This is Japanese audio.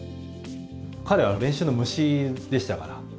彼はもう練習の虫でしたから。